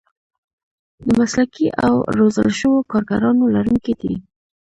د مسلکي او روزل شوو کارګرانو لرونکي دي.